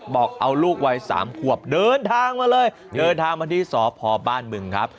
บอกเอาลูกวัย๓ขวบเดินทางมาเลยเดินทางมาที่สพบ้านบึงครับ